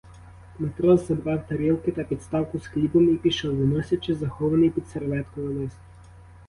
Матрос забрав тарілки та підставку з хлібом і пішов, виносячи захований під серветкою лист.